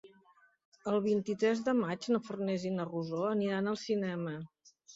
El vint-i-tres de maig na Farners i na Rosó aniran al cinema.